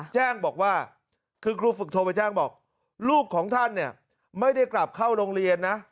แจ้งบอกว่าคือครูฝึกโทรไปแจ้งบอกลูกของท่านเนี่ยไม่ได้กลับเข้าโรงเรียนนะ